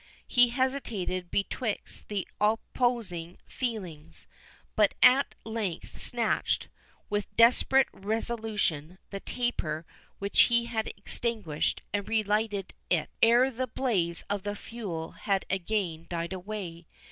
He hesitated betwixt the opposing feelings, but at length snatched, with desperate resolution, the taper which he had extinguished, and relighted it, ere the blaze of the fuel had again died away.